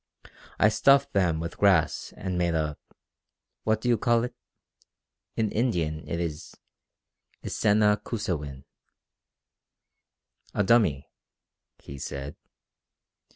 I stuffed them with grass, and made a ... what do you call it? In Indian it is issena koosewin...." "A dummy," he said.